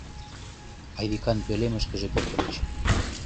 Айвикан пӧлемышкыже пӧртыльыч.